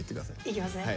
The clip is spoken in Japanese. いきますね。